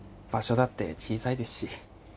場所だって小さいですし。